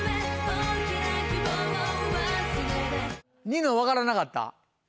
ニノ分からなかった？